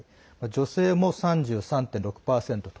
女性も３３．６％。